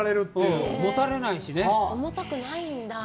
重たくないんだ。